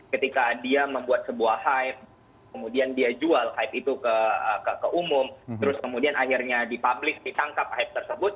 ketika dia membuat sebuah hype kemudian dia jual hype itu ke umum terus kemudian akhirnya dipublis ditangkap hype tersebut